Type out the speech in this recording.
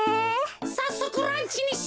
さっそくランチにしようぜ！